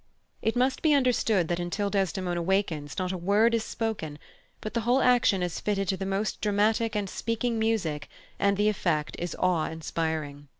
It must be understood that until Desdemona wakens not a word is spoken, but the whole action is fitted to the most dramatic and speaking music, and the effect is awe inspiring.